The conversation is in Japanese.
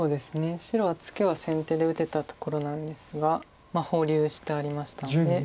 白はツケは先手で打てたところなんですが保留してありましたので。